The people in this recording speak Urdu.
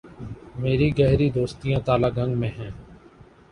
میری گہری دوستیاں تلہ گنگ میں ہیں۔